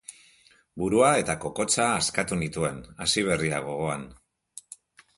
Burua eta kokotsa hazkatu nituen, hasiberria gogoan.